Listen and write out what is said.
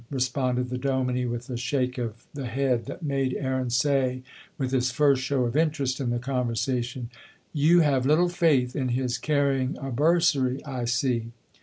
responded the dominie with a shake of the head that made Aaron say, with his first show of interest in the conversation, "You have little faith in his carrying a bursary, I see."